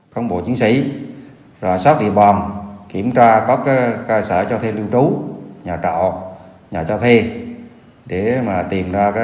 công bộ chiến sĩ rồi sát đi bòm kiểm tra có cái